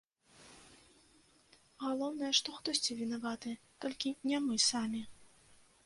Галоўнае, што хтосьці вінаваты, толькі не мы самі.